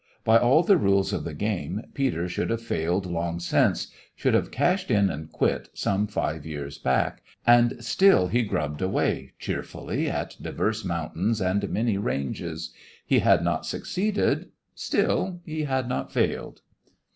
By all the rules of the game Peter should have failed long since, should have "cashed in and quit" some five years back; and still he grubbed away cheerfully at divers mountains and many ranges. He had not succeeded; still, he had not failed.